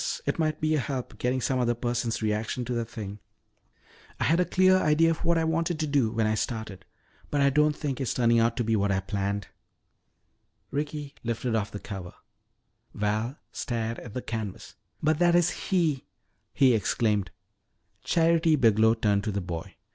It might be a help, getting some other person's reaction to the thing. I had a clear idea of what I wanted to do when I started but I don't think it's turning out to be what I planned." Ricky lifted off the cover. Val stared at the canvas. [Illustration: Ricky lifted off the cover. Val stared at the canvas.] "But that is he!" he exclaimed. Charity Biglow turned to the boy.